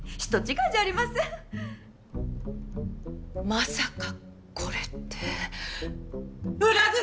まさかこれって裏口！？